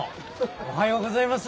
おはようございます。